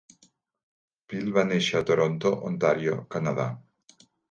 Pill va néixer a Toronto, Ontario, Canadà.